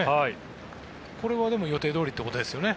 これはでも予定どおりということですよね。